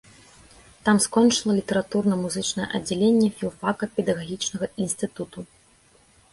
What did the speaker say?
Там скончыла літаратурна-музычнае аддзяленне філфака педагагічнага інстытуту.